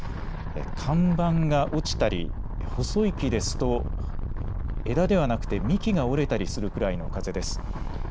看板が落ちたり、細い木ですと枝ではなくて幹が折れたりするくらいの風です。